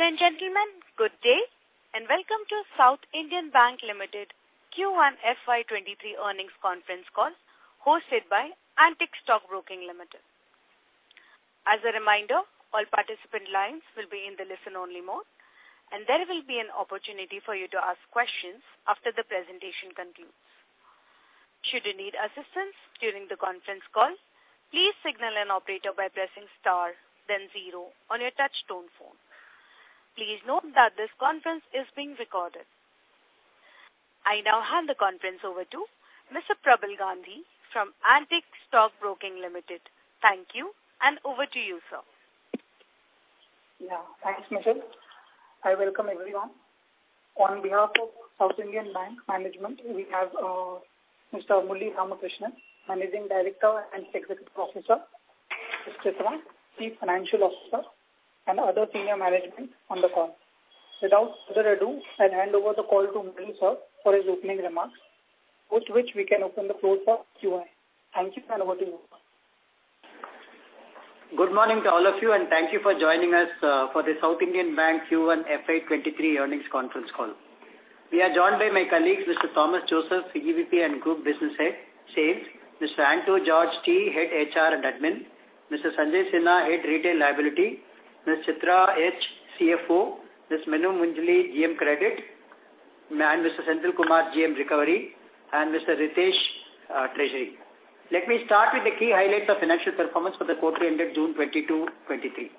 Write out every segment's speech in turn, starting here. Ladies and gentlemen, good day, and welcome to South Indian Bank Limited Q1 FY23 earnings conference call, hosted by Antique Stock Broking Limited. As a reminder, all participant lines will be in the listen-only mode, and there will be an opportunity for you to ask questions after the presentation concludes. Should you need assistance during the conference call, please signal an operator by pressing star, then zero on your touchtone phone. Please note that this conference is being recorded. I now hand the conference over to Mr. Prabal Gandhi from Antique Stock Broking Limited. Thank you, and over to you, sir. Yeah, thanks, Michelle. I welcome everyone. On behalf of South Indian Bank management, we have Mr. Murali Ramakrishnan, Managing Director and Chief Executive Officer, Ms. Chitra H., Chief Financial Officer, and other senior management on the call. Without further ado, I'll hand over the call to Murali, sir, for his opening remarks, after which we can open the floor for Q&A. Thank you, and over to you. Good morning to all of you, and thank you for joining us for the South Indian Bank Q1 FY 2023 earnings conference call. We are joined by my colleagues, Mr. Thomas Joseph, EVP and Group Business Head, Sales, Mr. Anto George T., Head HR and Admin, Mr. Sanchay Sinha, Head Retail Liability, Ms. Chitra H., CFO, Ms. Minu Moonjely, GM Credit, and Mr. Senthil Kumar, GM Recovery, and Mr. Ritesh, Treasury. Let me start with the key highlights of financial performance for the quarter ended June 22, 2023.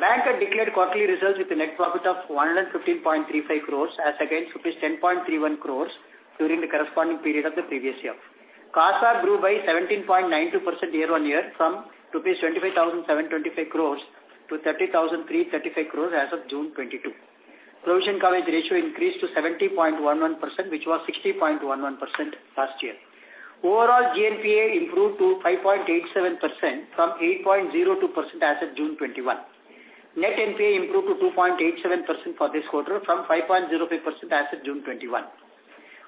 Bank had declared quarterly results with a net profit of 115.35 crores as against rupees 10.31 crores during the corresponding period of the previous year. Costs have grew by 17.92% year-on-year from 25,725 crore-30,335 crore rupees as of June 2022. Provision coverage ratio increased to 70.11%, which was 60.11% last year. Overall, GNPA improved to 5.87% from 8.02% as of June 2021. Net NPA improved to 2.87% for this quarter from 5.05% as of June 2021.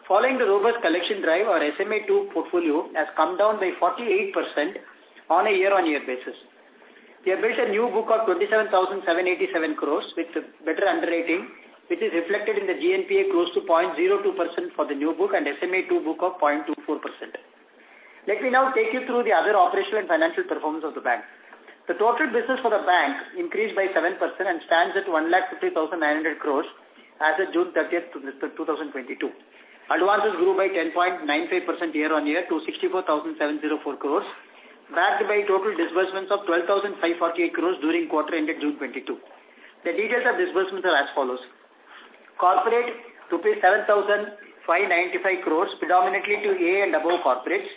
Following the robust collection drive, our SMA-2 portfolio has come down by 48% on a year-on-year basis. We have built a new book of 27,787 crore with better underwriting, which is reflected in the GNPA close to 0.02% for the new book and SMA-2 book of 0.24%. Let me now take you through the other operational and financial performance of the bank. The total business for the bank increased by 7% and stands at 1,50,900 crore as of June 30, 2022. Advances grew by 10.95% year-on-year to 64,704 crore, backed by total disbursements of 12,548 crore during quarter ended June 2022. The details of disbursements are as follows: corporate, INR 7,595 crore, predominantly to A and above corporates;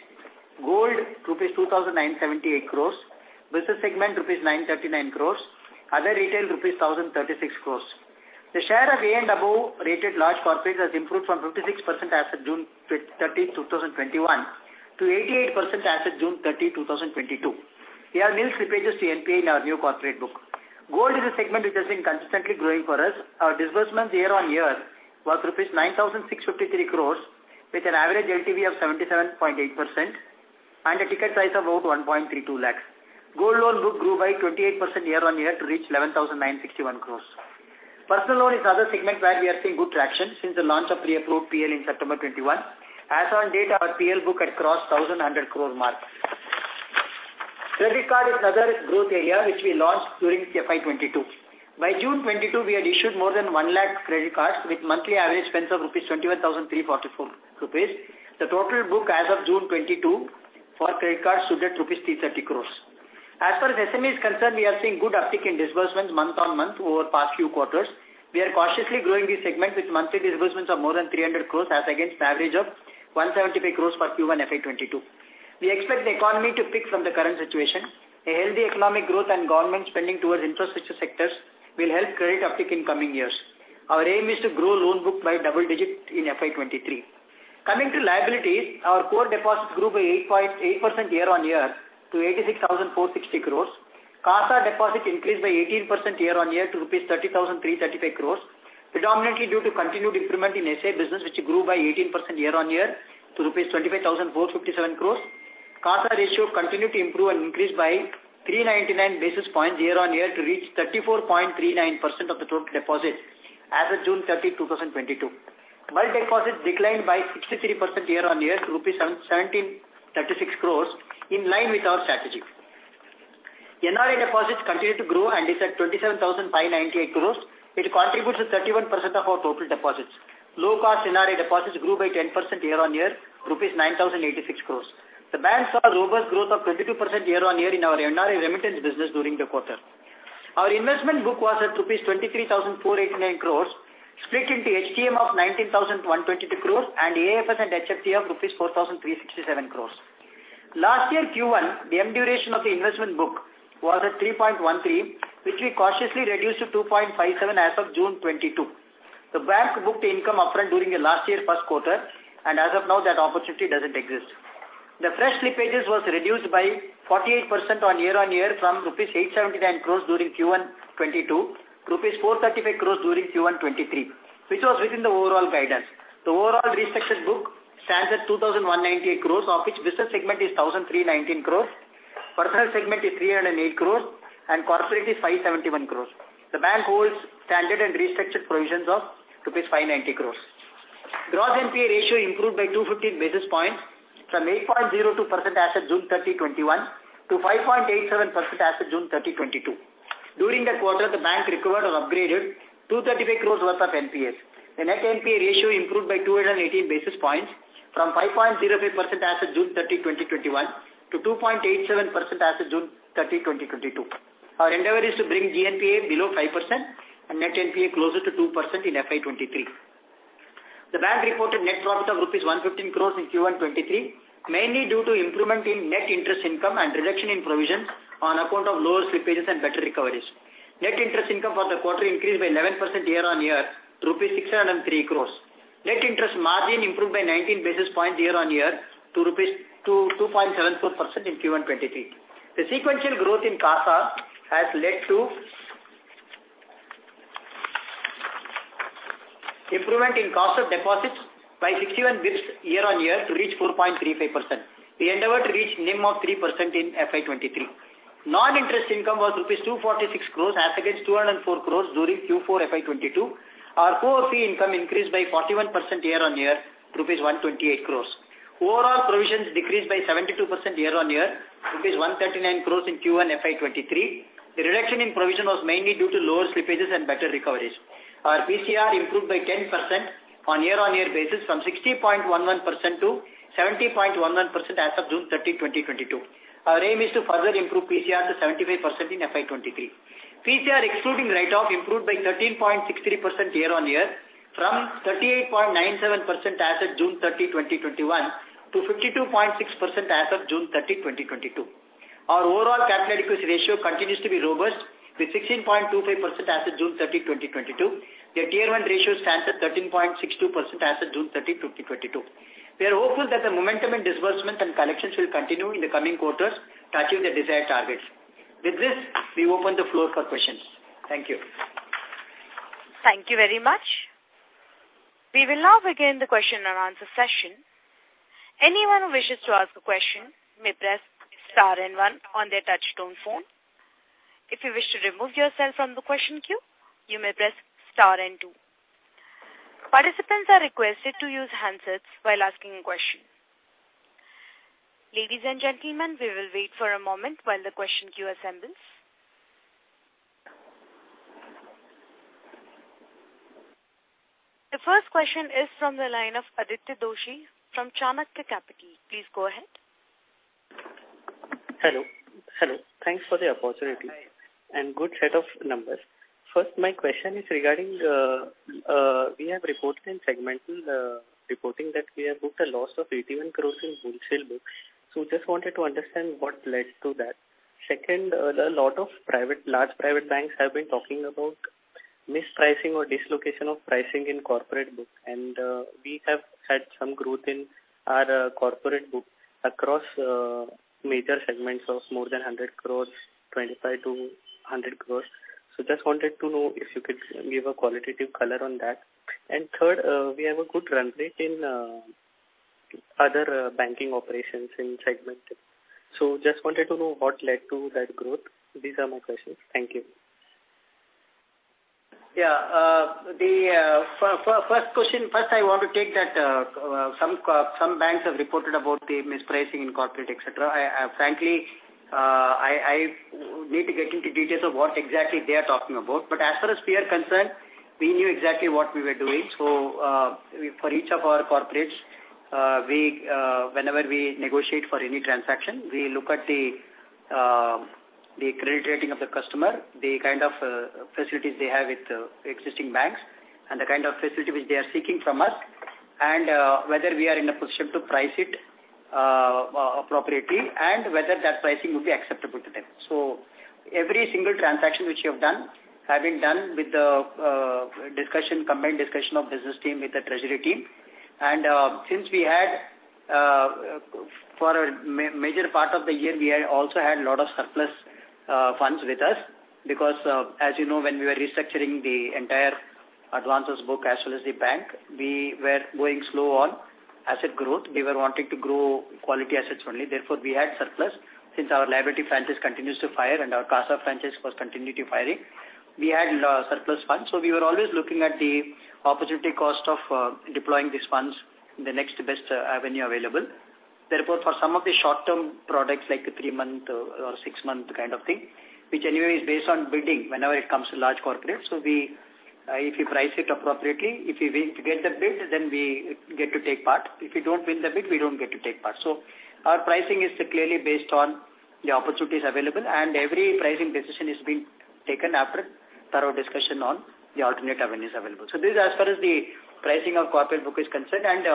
gold, INR 2,978 crore; business segment, INR 939 crore; other retail, INR 1,036 crore. The share of A and above rated large corporates has improved from 56% as of June 13, 2021, to 88% as of June 30, 2022. We have nil slippages to NPA in our new corporate book. Gold is a segment which has been consistently growing for us. Our disbursements year-on-year was INR 9,653 crores, with an average LTV of 77.8% and a ticket size of about 1.32 lakhs. Gold loan book grew by 28% year-on-year to reach 11,961 crores. Personal loan is the other segment where we are seeing good traction since the launch of pre-approved PL in September 2021. As on date, our PL book had crossed 1,100 crore mark. Credit card is another growth area, which we launched during FY 2022. By June 2022, we had issued more than 100,000 credit cards, with monthly average spends of 21,344 rupees. The total book as of June 2022 for credit cards stood at rupees 330 crore. As far as SMA is concerned, we are seeing good uptick in disbursements month-on-month over past few quarters. We are cautiously growing this segment with monthly disbursements of more than 300 crore, as against average of 175 crore for Q1 FY 2022. We expect the economy to pick from the current situation. A healthy economic growth and government spending towards infrastructure sectors will help credit uptick in coming years. Our aim is to grow loan book by double-digit in FY 2023. Coming to liabilities, our core deposits grew by 8.8% year-on-year to 86,460 crore. CASA deposit increased by 18% year-on-year to INR 30,335 crore, predominantly due to continued improvement in SA business, which grew by 18% year-on-year to rupees 25,457 crore. CASA ratio continued to improve and increase by 399 basis points year-on-year to reach 34.39% of the total deposits as of June 30, 2022. While deposits declined by 63% year-on-year to rupees 1,736 crore, in line with our strategy. NRI deposits continued to grow and is at 27,598 crore. It contributes to 31% of our total deposits. Low-cost NRI deposits grew by 10% year-on-year, rupees 9,086 crore. The bank saw robust growth of 22% year-on-year in our NRI remittance business during the quarter. Our investment book was at rupees 23,489 crore, split into HTM of 19,122 crore and AFS and HFT of rupees 4,367 crore. Last year, Q1, the M duration of the investment book was at 3.13, which we cautiously reduced to 2.57 as of June 2022. The bank booked income upfront during the last year first quarter, and as of now, that opportunity doesn't exist. The fresh slippages was reduced by 48% year-on-year from rupees 879 crore during Q1 2022, rupees 435 crore during Q1 2023, which was within the overall guidance. The overall restructured book stands at 2,198 crore, of which business segment is 1,319 crore. Personal segment is 308 crore, and corporate is 571 crore. The bank holds standard and restructured provisions of INR 590 crores. Gross NPA ratio improved by 215 basis points from 8.02% as of June 30, 2021-5.87% as of June 30, 2022. During the quarter, the bank recovered or upgraded 235 crores worth of NPAs. The net NPA ratio improved by 218 basis points from 5.05% as of June 30, 2021,-2.87% as of June 30, 2022. Our endeavor is to bring GNPA below 5% and net NPA closer to 2% in FY 2023. The bank reported net profit of INR 115 crores in Q1 2023, mainly due to improvement in net interest income and reduction in provisions on account of lower slippages and better recoveries. Net interest income for the quarter increased by 11% year-on-year, rupees 603 crores. Net interest margin improved by 19 basis points year-on-year to 2.72% in Q1 2023. The sequential growth in CASA has led to improvement in CASA deposits by 61 basis points year-on-year to reach 4.35%. We endeavor to reach NIM of 3% in FY 2023. Non-interest income was rupees 246 crores as against 204 crores during Q4 FY 2022. Our core fee income increased by 41% year-on-year, rupees 128 crores. Overall, provisions decreased by 72% year-on-year, rupees 139 crores in Q1 FY 2023. The reduction in provision was mainly due to lower slippages and better recoveries. Our PCR improved by 10% on year-on-year basis from 60.11%-70.11% as of June 30, 2022. Our aim is to further improve PCR to 75% in FY 2023. PCR, excluding write-off, improved by 13.63% year-on-year from 38.97% as of June 30, 2021,-52.6% as of June 30, 2022. Our overall capital adequacy ratio continues to be robust, with 16.25% as of June 30, 2022. The Tier-1 ratio stands at 13.62% as of June 30, 2022. We are hopeful that the momentum in disbursement and collections will continue in the coming quarters to achieve the desired targets. With this, we open the floor for questions. Thank you. Thank you very much. We will now begin the question and answer session. Anyone who wishes to ask a question may press star and one on their touchtone phone. If you wish to remove yourself from the question queue, you may press star and two. Participants are requested to use handsets while asking a question. Ladies and gentlemen, we will wait for a moment while the question queue assembles. The first question is from the line of Aditya Doshi from Chanakya Capital. Please go ahead. Hello. Hello. Thanks for the opportunity- Hi. And good set of numbers. First, my question is regarding, we have reported in segmental, reporting that we have booked a loss of 81 crore in wholesale book. So just wanted to understand what led to that. Second, a lot of private, large private banks have been talking about mispricing or dislocation of pricing in corporate book, and, we have had some growth in our, corporate book across, major segments of more than 100 crore, 25 crore-100 crore. So just wanted to know if you could give a qualitative color on that. And third, we have a good run rate in, other, banking operations in segment. So just wanted to know what led to that growth. These are my questions. Thank you. Yeah, the first question, first, I want to take that, some banks have reported about the mispricing in corporate, et cetera. I frankly need to get into details of what exactly they are talking about. But as far as we are concerned, we knew exactly what we were doing. So, we, for each of our corporates, we, whenever we negotiate for any transaction, we look at the credit rating of the customer, the kind of facilities they have with existing banks, and the kind of facility which they are seeking from us, and whether we are in a position to price it appropriately, and whether that pricing will be acceptable to them. So every single transaction which we have done have been done with the discussion, combined discussion of business team with the treasury team. And since we had for a major part of the year, we had also had a lot of surplus funds with us, because as you know, when we were restructuring the entire advances book as well as the bank, we were going slow on asset growth. We were wanting to grow quality assets only, therefore, we had surplus. Since our liability franchise continues to fire and our CASA franchise was continuity firing, we had surplus funds. So we were always looking at the opportunity cost of deploying these funds in the next best avenue available. Therefore, for some of the short-term products, like a three-month or six-month kind of thing, which anyway is based on bidding whenever it comes to large corporates. So we, if you price it appropriately, if you win, get the bid, then we get to take part. If you don't win the bid, we don't get to take part. So our pricing is clearly based on the opportunities available, and every pricing decision is being taken after thorough discussion on the alternate avenues available. So this is as far as the pricing of corporate book is concerned. And,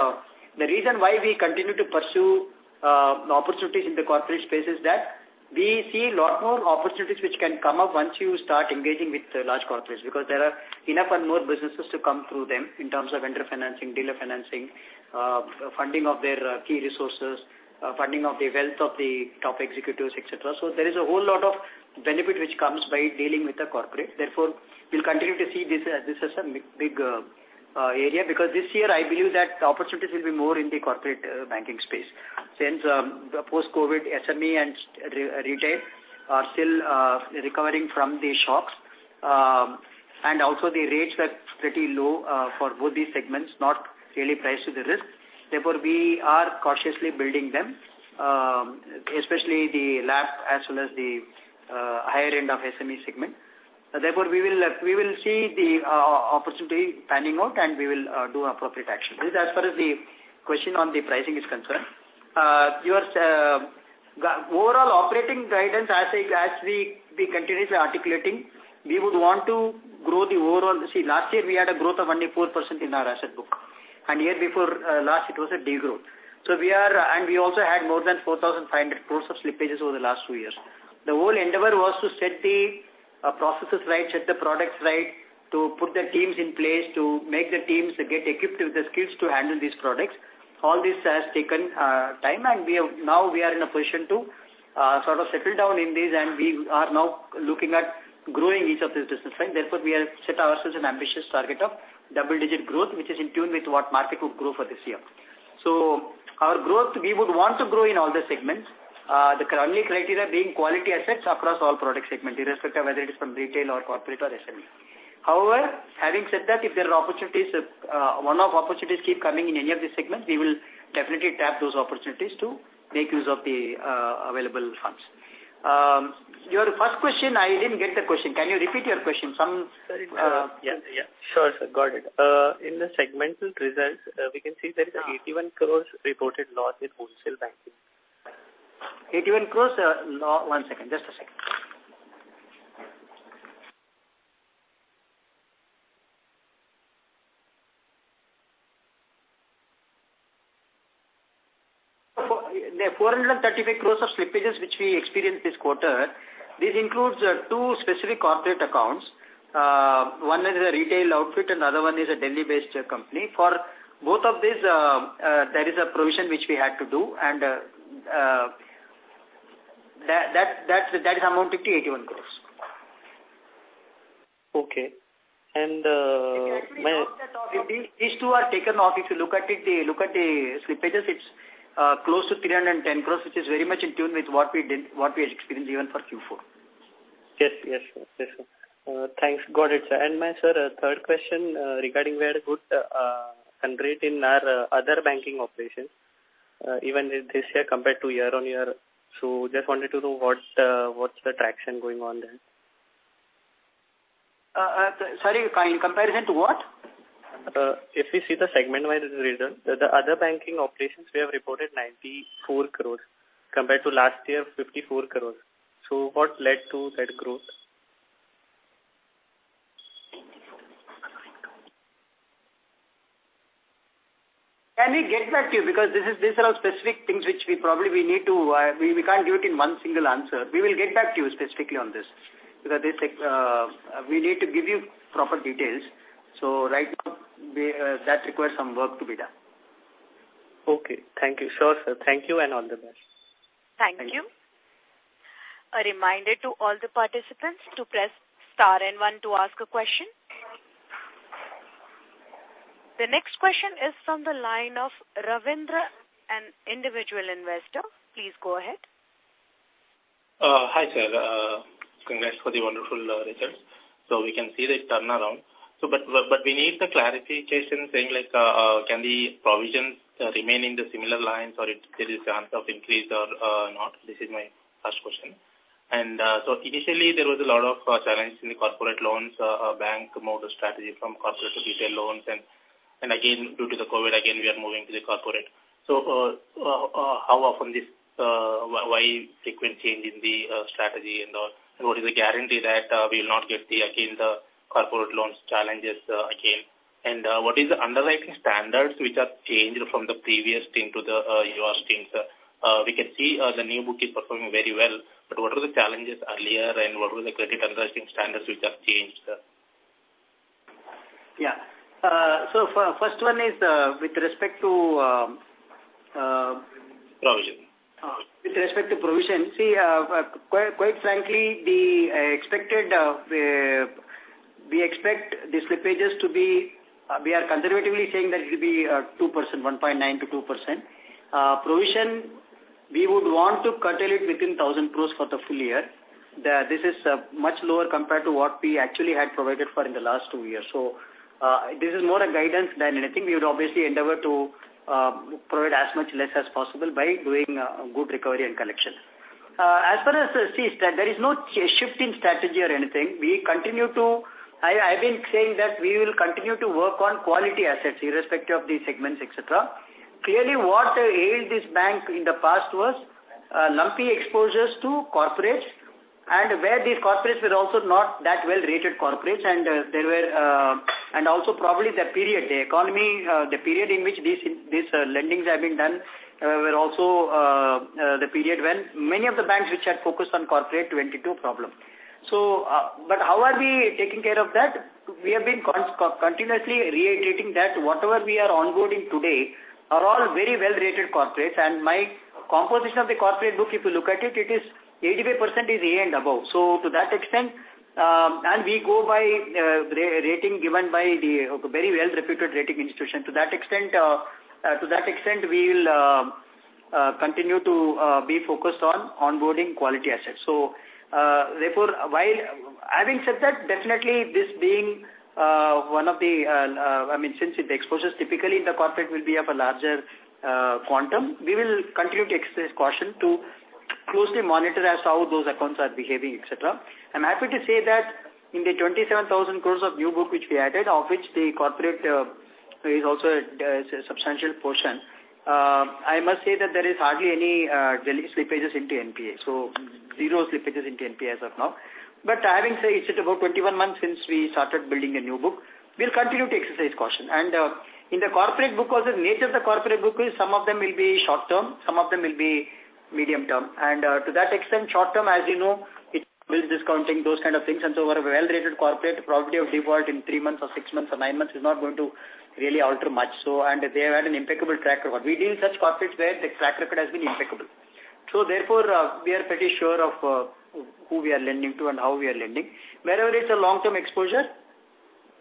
the reason why we continue to pursue, opportunities in the corporate space is that we see a lot more opportunities which can come up once you start engaging with the large corporates. Because there are enough and more businesses to come through them in terms of vendor financing, dealer financing, funding of their, key resources, funding of the wealth of the top executives, et cetera. So there is a whole lot of benefit which comes by dealing with the corporate. Therefore, we'll continue to see this as a big area, because this year I believe that the opportunities will be more in the corporate banking space. Since, the post-COVID, SME and retail are still recovering from the shocks. And also the rates were pretty low, for both these segments, not really priced to the risk. Therefore, we are cautiously building them, especially the lab as well as the higher end of SME segment. Therefore, we will, we will see the, opportunity panning out, and we will, do appropriate action. This is as far as the question on the pricing is concerned. Yours, the overall operating guidance, as I, as we, we continuously articulating, we would want to grow the overall... See, last year we had a growth of only 4% in our asset book, and year before, last it was a degrowth. So we are- and we also had more than 4,500 crore of slippages over the last two years. The whole endeavor was to set the, processes right, set the products right, to put the teams in place, to make the teams get equipped with the skills to handle these products. All this has taken time, and now we are in a position to sort of settle down in this, and we are now looking at growing each of these businesses, right? Therefore, we have set ourselves an ambitious target of double-digit growth, which is in tune with what market could grow for this year. So our growth, we would want to grow in all the segments, the only criteria being quality assets across all product segment, irrespective of whether it is from retail or corporate or SME. However, having said that, if there are opportunities, one-off opportunities keep coming in any of these segments, we will definitely tap those opportunities to make use of the available funds. Your first question, I didn't get the question. Can you repeat your question? Sorry. Yeah, yeah. Sure, sir. Got it. In the segmental results, we can see that 81 crore reported loss in wholesale banking. 81 crores? One second. Just a second. The 435 crores of slippages which we experienced this quarter, this includes two specific corporate accounts. One is a retail outfit, and the other one is a Delhi-based company. For both of these, there is a provision which we had to do, and that, that, that is amount to 81 crores. Okay. And, These two are taken off. If you look at it, look at the slippages; it's close to 310 crore, which is very much in tune with what we did, what we experienced even for Q4. Yes, yes. Yes, sir. Thanks. Got it, sir. And my third question, sir, regarding wholesale and other banking operations, even with this year compared to year-on-year. So just wanted to know what's the traction going on there? Sorry, in comparison to what? If you see the segment-wise result, the other banking operations, we have reported 94 crore compared to last year, 54 crore. So what led to that growth? Can we get back to you? Because this is, these are all specific things which we probably need to, we can't give it in one single answer. We will get back to you specifically on this, because this, we need to give you proper details. So right now, that requires some work to be done. Okay. Thank you. Sure, sir. Thank you, and all the best. Thank you. A reminder to all the participants to press star and one to ask a question. The next question is from the line of Ravindra, an individual investor. Please go ahead. Hi, sir. Congrats for the wonderful results. So we can see the turnaround. But we need the clarification saying, like, can the provisions remain in the similar lines, or if there is a chance of increase or not? This is my first question. And so initially, there was a lot of challenge in the corporate loans bank model strategy from corporate to retail loans, and again, due to the COVID, again, we are moving to the corporate. So how often this, why frequent change in the strategy and all? What is the guarantee that we will not get the, again, the corporate loans challenges again? And what is the underwriting standards which have changed from the previous team to your teams, sir? We can see, the new book is performing very well, but what are the challenges earlier, and what are the credit underwriting standards which have changed, sir? Yeah. So first one is with respect to Provision. With respect to provision, see, quite frankly, the expected, we expect the slippages to be, we are conservatively saying that it will be 2%, 1.9%-2%. Provision, we would want to curtail it within 1,000 crore for the full year. This is much lower compared to what we actually had provided for in the last two years. This is more a guidance than anything. We would obviously endeavor to provide as much less as possible by doing good recovery and collection. As far as the fees, there is no shift in strategy or anything. We continue to... I've been saying that we will continue to work on quality assets, irrespective of the segments, et cetera. Clearly, what ailed this bank in the past was lumpy exposures to corporates, and where these corporates were also not that well-rated corporates, and there were... And also probably the period, the economy, the period in which these lendings have been done were also the period when many of the banks which had focused on corporate went into problem. So, but how are we taking care of that? We have been continuously reiterating that whatever we are onboarding today are all very well-rated corporates, and my composition of the corporate book, if you look at it, it is 85% A and above. So to that extent, and we go by rating given by a very well-reputed rating institution. To that extent, to that extent, we will... continue to be focused on onboarding quality assets. So, therefore, while having said that, definitely this being one of the, I mean, since the exposures, typically, the corporate will be of a larger quantum, we will continue to exercise caution to closely monitor as how those accounts are behaving, et cetera. I'm happy to say that in the 27,000 crore of new book which we added, of which the corporate is also a, a substantial portion, I must say that there is hardly any slippages into NPA. So zero slippages into NPA as of now. But having said, it's about 21 months since we started building a new book, we'll continue to exercise caution. In the corporate book also, the nature of the corporate book is some of them will be short term, some of them will be medium term. To that extent, short term, as you know, it's bill discounting, those kind of things, and so we're a well-rated corporate, the probability of default in three months or six months or nine months is not going to really alter much. So, and they have an impeccable track record. We deal with such corporates where the track record has been impeccable. So therefore, we are pretty sure of, who we are lending to and how we are lending. Wherever it's a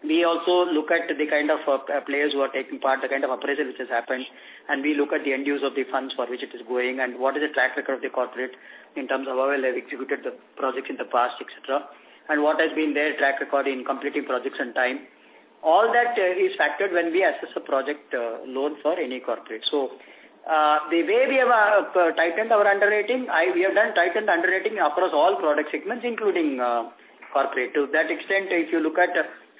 long-term exposure, we also look at the kind of players who are taking part, the kind of appraisal which has happened, and we look at the end use of the funds for which it is going, and what is the track record of the corporate in terms of how well they've executed the projects in the past, et cetera, and what has been their track record in completing projects and time. All that is factored when we assess a project loan for any corporate. So, the way we have tightened our underwriting, we have done tightened underwriting across all product segments, including corporate. To that extent, if you look at,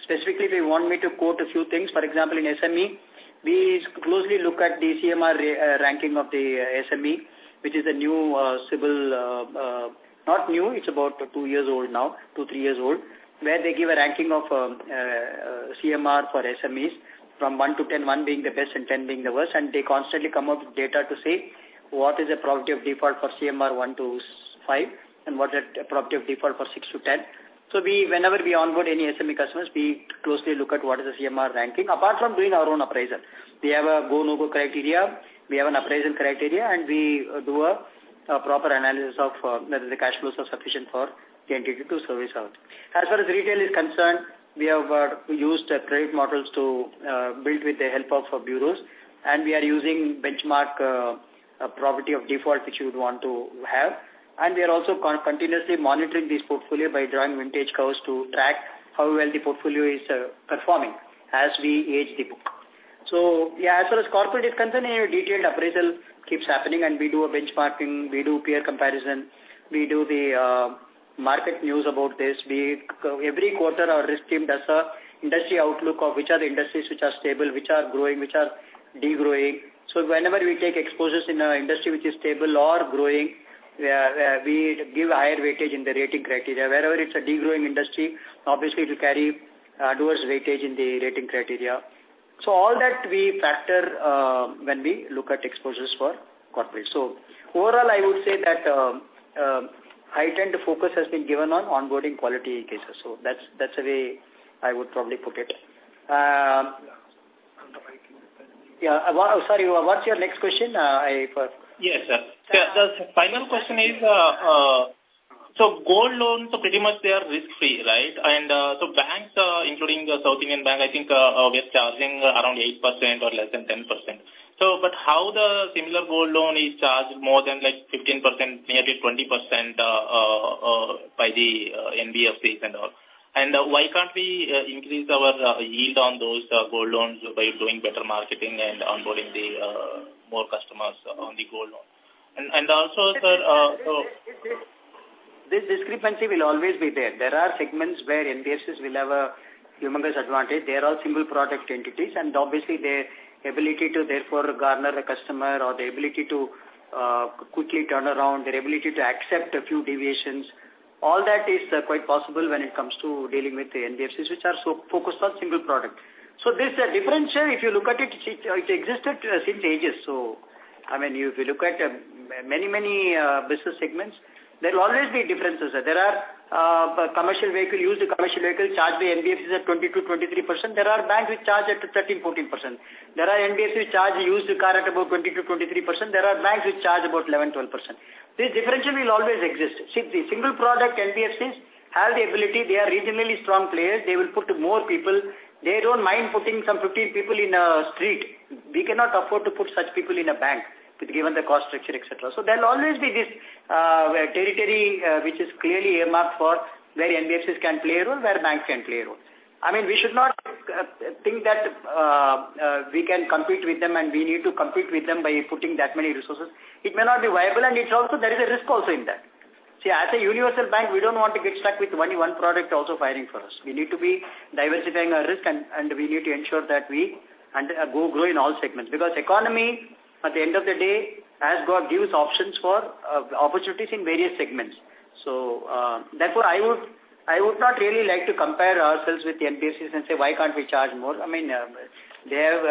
specifically, if you want me to quote a few things, for example, in SME, we closely look at the CMR ranking of the SME, which is a new CIBIL. Not new, it's about two years old now, two, three years old, where they give a ranking of CMR for SMEs from one to 10, one being the best and 10 being the worst. And they constantly come up with data to say, what is the probability of default for CMR 1-5, and what is the probability of default for six to 10. So, whenever we onboard any SME customers, we closely look at what is the CMR ranking, apart from doing our own appraisal. We have a go, no-go criteria, we have an appraisal criteria, and we do a proper analysis of whether the cash flows are sufficient for the entity to service out. As far as retail is concerned, we have used credit models to build with the help of bureaus, and we are using benchmark a property of default, which you would want to have. And we are also continuously monitoring this portfolio by drawing vintage curves to track how well the portfolio is performing as we age the book. So, yeah, as far as corporate is concerned, a detailed appraisal keeps happening and we do a benchmarking, we do peer comparison, we do the market news about this. Every quarter, our risk team does a industry outlook of which are the industries which are stable, which are growing, which are degrowing. So whenever we take exposures in an industry which is stable or growing, we, we give higher weightage in the rating criteria. Wherever it's a degrowing industry, obviously, it will carry worse weightage in the rating criteria. So all that we factor when we look at exposures for corporate. So overall, I would say that heightened focus has been given on onboarding quality cases. So that's, that's the way I would probably put it. Yeah, sorry, what's your next question? I forgot. Yes, sir. The final question is, so gold loans, so pretty much they are risk-free, right? And, so banks, including the South Indian Bank, I think, we're charging around 8% or less than 10%. So but how the similar gold loan is charged more than, like, 15%, maybe 20%, by the, NBFCs and all? And why can't we, increase our, yield on those, gold loans by doing better marketing and onboarding the, more customers on the gold loan? And, and also, sir, so- This discrepancy will always be there. There are segments where NBFCs will have a humongous advantage. They are all single product entities, and obviously, their ability to therefore garner a customer or the ability to quickly turn around, their ability to accept a few deviations, all that is quite possible when it comes to dealing with the NBFCs, which are so focused on single product. So this differential, if you look at it, it, it existed since ages. So I mean, if you look at many, many business segments, there will always be differences. There are commercial vehicle, used commercial vehicle charged by NBFCs at 22%-23%. There are banks which charge at 13%-14%. There are NBFCs which charge a used car at about 22%-23%. There are banks which charge about 11%-12%. This differential will always exist. See, the single product NBFCs have the ability, they are regionally strong players, they will put more people. They don't mind putting some 15 people in a street. We cannot afford to put such people in a bank, given the cost structure, et cetera. So there will always be this territory, which is clearly earmarked for where NBFCs can play a role, where banks can play a role. I mean, we should not think that we can compete with them, and we need to compete with them by putting that many resources. It may not be viable, and it's also there is a risk also in that. See, as a universal bank, we don't want to get stuck with only one product also failing for us. We need to be diversifying our risk, and we need to ensure that we under... Go grow in all segments, because economy, at the end of the day, has got huge options for, opportunities in various segments. So, therefore, I would, I would not really like to compare ourselves with the NBFCs and say, "Why can't we charge more?" I mean, they have,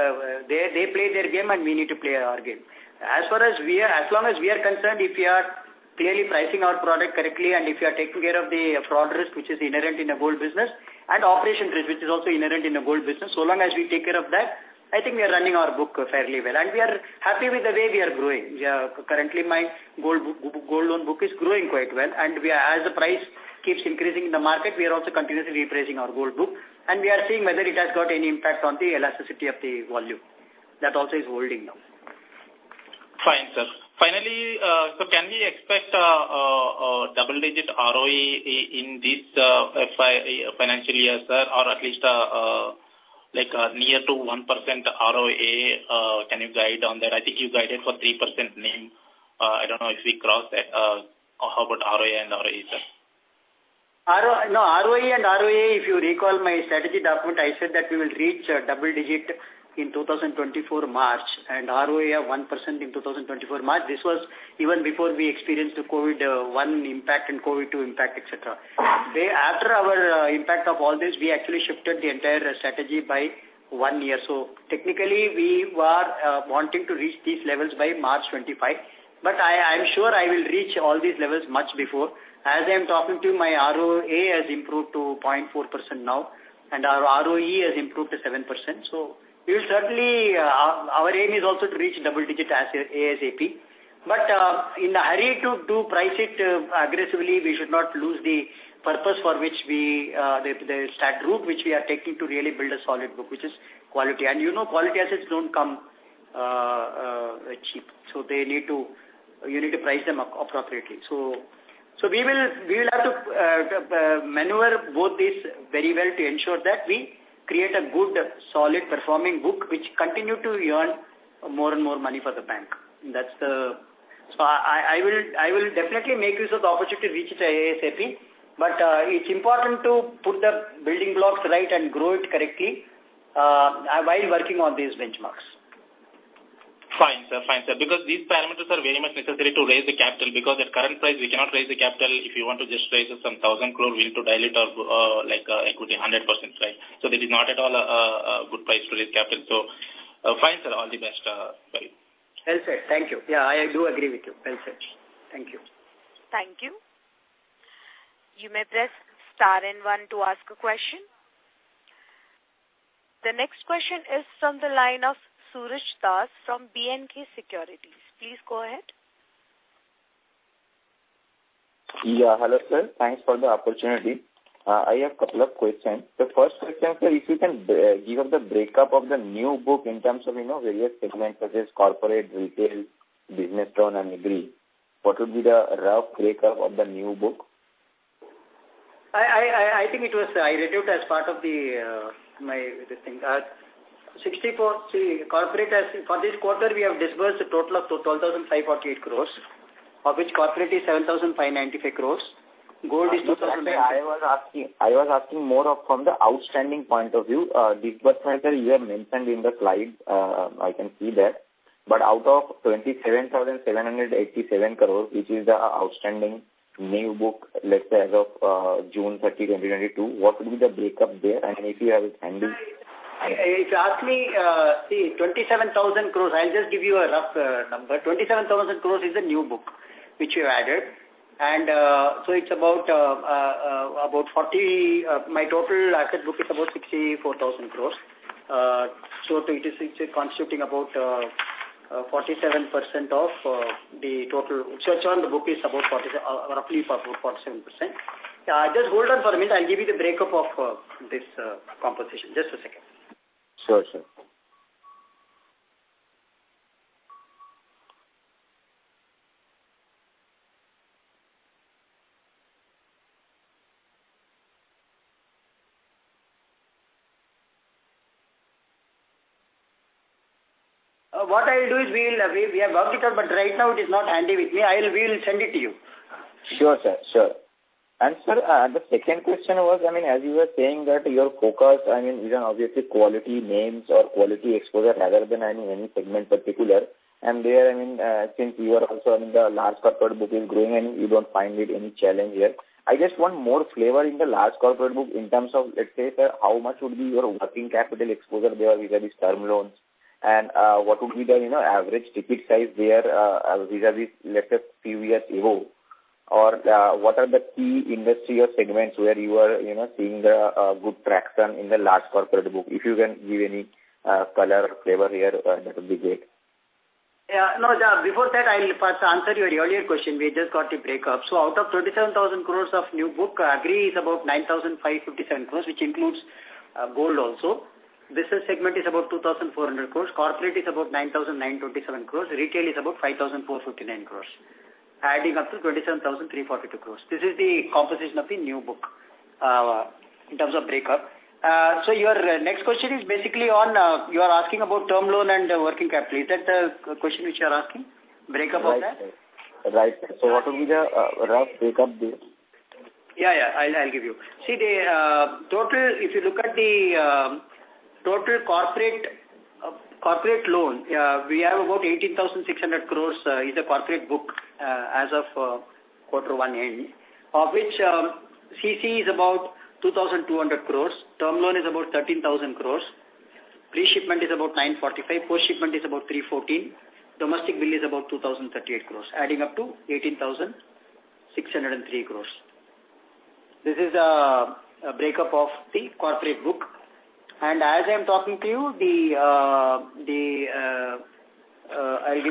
they, they play their game, and we need to play our game. As far as we are—as long as we are concerned, if we are clearly pricing our product correctly and if you are taking care of the fraud risk, which is inherent in a gold business, and operation risk, which is also inherent in a gold business, so long as we take care of that, I think we are running our book fairly well, and we are happy with the way we are growing. Currently, my gold book, gold loan book is growing quite well, and we are, as the price keeps increasing in the market, we are also continuously repricing our gold book, and we are seeing whether it has got any impact on the elasticity of the volume. That also is holding now.... Fine, sir. Finally, so can we expect a double-digit ROE in this FY, financial year, sir, or at least, like, near to 1% ROA, can you guide on that? I think you guided for 3% NIM. I don't know if we crossed that, or how about ROA and ROE, sir? RO, no, ROE and ROA, if you recall my strategy document, I said that we will reach double digit in March 2024, and ROA 1% in March 2024. This was even before we experienced the COVID one impact and COVID two impact, et cetera. After our impact of all this, we actually shifted the entire strategy by one year. So technically, we were wanting to reach these levels by March 2025, but I, I'm sure I will reach all these levels much before. As I'm talking to you, my ROA has improved to 0.4% now, and our ROE has improved to 7%. So we will certainly our aim is also to reach double digit as ASAP. But in the hurry to price it aggressively, we should not lose the purpose for which we are taking the stat route to really build a solid book, which is quality. And, you know, quality assets don't come cheap, so they need to... You need to price them appropriately. So we will have to maneuver both these very well to ensure that we create a good, solid performing book, which continue to earn more and more money for the bank. That's the. So I will definitely make use of the opportunity to reach it ASAP, but it's important to put the building blocks right and grow it correctly while working on these benchmarks. Fine, sir. Fine, sir. Because these parameters are very much necessary to raise the capital, because at current price, we cannot raise the capital. If you want to just raise some 1,000 crore, we need to dilute our equity 100%, right? So this is not at all a good price to raise capital. So, fine, sir, all the best, bye. Well said. Thank you. Yeah, I do agree with you. Well said. Thank you. Thank you. You may press star and one to ask a question. The next question is from the line of Suraj Das from B&K Securities. Please go ahead. Yeah, hello, sir. Thanks for the opportunity. I have a couple of questions. The first question, sir, if you can give us the breakup of the new book in terms of, you know, various segments such as corporate, retail, business loan, and agri. What would be the rough breakup of the new book? I think it was. I read it as part of the my the thing. 64, see, corporate as-- For this quarter, we have disbursed a total of 12,548 crores, of which corporate is 7,595 crores. Gold is 2,000- I was asking, I was asking more of from the outstanding point of view. Disbursement, sir, you have mentioned in the slide, I can see that. But out of 27,787 crore, which is the outstanding new book, let's say, as of June 30, 2022, what would be the breakup there? And if you have it handy. If you ask me, see, 27,000 crore, I'll just give you a rough number. 27,000 crore is the new book, which we added. So it's about, about 40, my total asset book is about 64,000 crore. So it is constituting about, about 47% of, the total. So it's on the book is about 40, roughly about 47%. Just hold on for a minute, I'll give you the breakup of, this, composition. Just a second. Sure, sir. What I'll do is we have worked it out, but right now it is not handy with me. We'll send it to you. Sure, sir. Sure. And sir, the second question was, I mean, as you were saying that your focus, I mean, is on obviously quality names or quality exposure rather than, I mean, any segment particular. And there, I mean, since you are also, I mean, the large corporate book is growing and you don't find it any challenge here. I just want more flavor in the large corporate book in terms of, let's say, sir, how much would be your working capital exposure there vis-a-vis term loans? And, what would be the, you know, average ticket size there, vis-a-vis, let's say, previous year or, what are the key industry or segments where you are, you know, seeing the good traction in the large corporate book? If you can give any, color or flavor here, that would be great. Yeah. No, before that, I'll first answer your earlier question. We just got the breakup. So out of 27,000 crore of new book, agri is about 9,557 crore, which includes, gold also. Business segment is about 2,400 crore. Corporate is about 9,927 crore. Retail is about 5,459 crore, adding up to 27,342 crore. This is the composition of the new book, in terms of breakup. So your next question is basically on, you are asking about term loan and working capital. Is that the question which you are asking, breakup of that? Right, sir. So what would be the rough breakup there? Yeah, yeah, I'll, I'll give you. See, the total, if you look at the total corporate corporate loan, we have about 18,600 crore is the corporate book as of quarter one end, of which, CC is about 2,200 crore, term loan is about 13,000 crore, pre-shipment is about 945 crore, post-shipment is about 314 crore, domestic bill is about 2,038 crore, adding up to 18,603 crore. This is a breakup of the corporate book. And as I'm talking to you, I'll give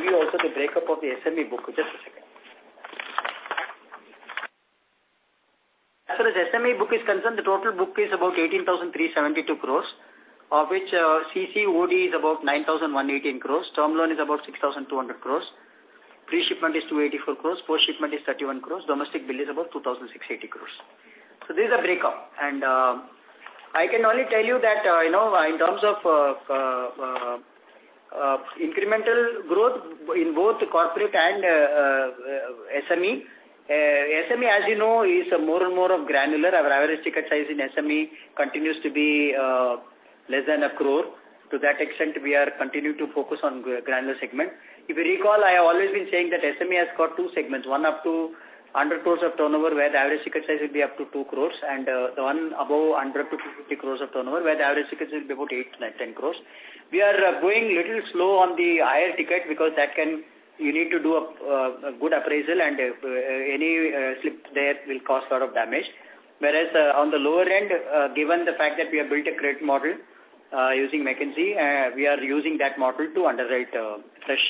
you also the breakup of the SME book. Just a second. SME book is concerned, the total book is about 18,372 crore, of which, CCOD is about 9,118 crore, term loan is about 6,200 crore, pre-shipment is 284 crore, post-shipment is 31 crore, domestic bill is about 2,680 crore. So this is a breakup, and, I can only tell you that, you know, in terms of, incremental growth in both the corporate and, SME, SME, as you know, is more and more of granular. Our average ticket size in SME continues to be, less than a crore. To that extent, we are continuing to focus on granular segment. If you recall, I have always been saying that SME has got two segments, one up to 100 crore of turnover, where the average ticket size will be up to 2 crore, and the one above 100-250 crore of turnover, where the average ticket size will be about 8-10 crore. We are going a little slow on the higher ticket because that can, you need to do a good appraisal, and any slip there will cause a lot of damage. Whereas, on the lower end, given the fact that we have built a great model using McKinsey, we are using that model to underwrite fresh